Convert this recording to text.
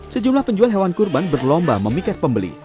sejumlah penjual hewan kurban berlomba memikat pembeli